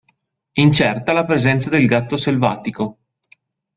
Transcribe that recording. Incerta la presenza del Gatto Selvatico.